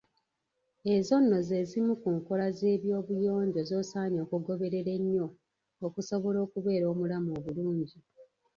Ezo nno ze zimu ku nkola z'ebyobuyonjo z'osaanye okugoberera ennyo okusobola okubeera omulamu obulungi